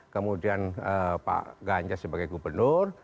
kemudian pak ganjar sebagai gubernur